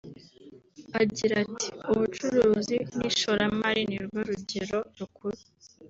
Agira ati “Ubucuruzi n’Ishoramari ni rwo rugero rukuru